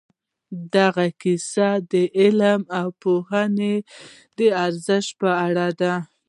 دغه کیسه د علم او پوهې د ارزښت په اړه ده.